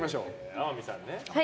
天海さんね。